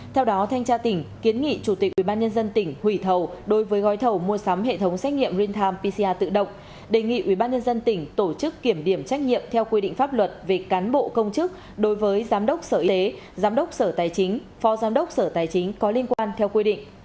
theo đó thanh tra tỉnh kiến nghị chủ tịch ubnd tỉnh hủy thầu đối với gói thầu mua sắm hệ thống xét nghiệm reng time pcr tự động đề nghị ubnd tỉnh tổ chức kiểm điểm trách nhiệm theo quy định pháp luật về cán bộ công chức đối với giám đốc sở y tế giám đốc sở tài chính phó giám đốc sở tài chính có liên quan theo quy định